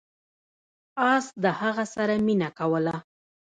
اس د هغه سره مینه کوله.